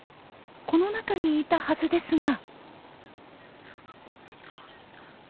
この中にいたはずですが。